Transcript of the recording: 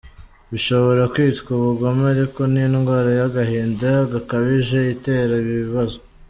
Bishobora kwitwa ubugome ariko ni indwara y’agahinda gakabije itera ibi bibazo.